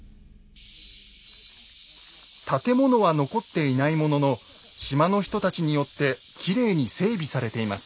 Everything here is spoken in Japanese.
建物は残っていないものの島の人たちによってきれいに整備されています。